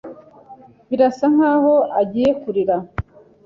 Birasa nkaho agiye kurira.